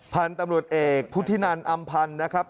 พันธุ์ตำรวจเอกพุทธินันอำพันธ์นะครับ